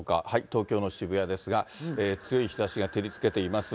東京の渋谷ですが、強い日ざしが照りつけています。